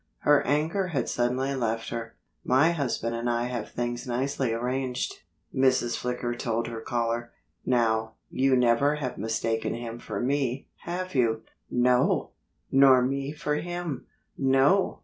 Her anger had suddenly left her. "My husband and I have things nicely arranged," Mrs. Flicker told her caller. "Now, you never have mistaken him for me, have you?" "No!" "Nor me for him?" "No!"